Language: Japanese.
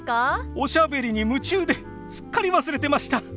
おしゃべりに夢中ですっかり忘れてました。